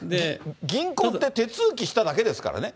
銀行って手続きしただけですからね。